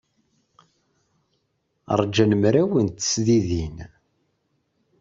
Ṛjan mraw n tesdidin.